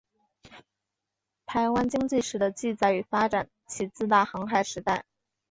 台湾经济史的记载与发展起自大航海时代。